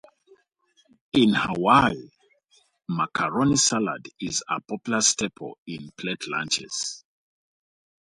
In Hawaii, macaroni salad is a popular staple in plate lunches.